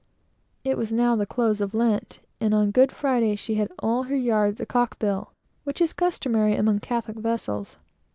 It was now the close of Lent, and on Good Friday she had all her yards a'cock bill, which is customary among Catholic vessels.